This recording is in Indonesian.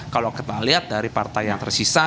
kalau kita lihat dari partai yang tersisa